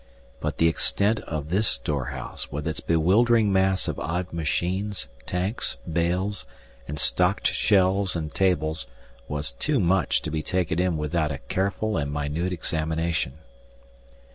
But the extent of this storehouse with its bewildering mass of odd machines, tanks, bales, and stocked shelves and tables, was too much to be taken in without a careful and minute examination.